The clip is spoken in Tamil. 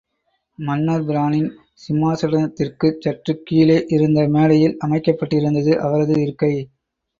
மன்னர்பிரானின் சிம்மாசனத்திற்குச் சற்றுக் கீழே இருந்த மேடையில் அமைக்கப்பட்டிருந்தது அவரது இருக்கை.